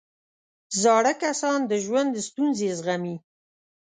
زاړه کسان د ژوند ستونزې زغمي